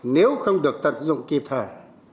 nếu không được tận dụng kịp thời